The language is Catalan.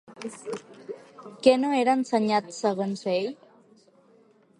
Què no era assenyat, segons ell?